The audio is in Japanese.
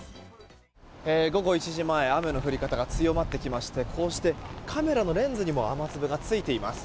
午後１時前雨の降り方が強まってきましてこうしてカメラのレンズにも雨粒がついています。